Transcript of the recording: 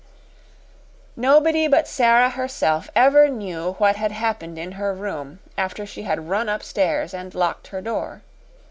Nobody but Sara herself ever knew what had happened in her room after she had run upstairs and locked her door.